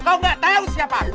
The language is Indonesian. kau gak tahu siapa aku